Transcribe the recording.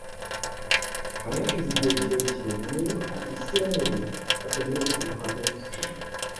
Hari hashize igihe kirekire mu Isiraeli hadaherutse umuhanuzi,